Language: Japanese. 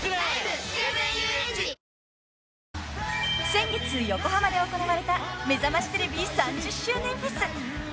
［先月横浜で行われためざましテレビ３０周年フェス］